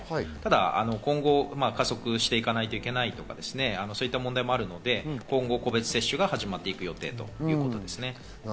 ただ今後、発足していかなければいけないとか、そういう問題もあるので今後、個別接種が始まっていく予定だと思います。